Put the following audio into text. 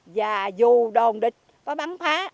và dù đồn địch có bắn phá